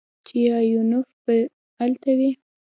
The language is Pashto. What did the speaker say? چې ايوانوف به الته وي.